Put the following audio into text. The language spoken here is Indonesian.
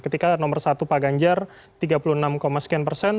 ketika nomor satu pak ganjar tiga puluh enam sekian persen